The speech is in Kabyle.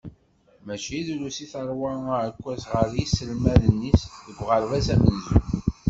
Mačči drus i terwa aɛekkaz ɣer yiselmaden-is deg uɣerbaz amenzu.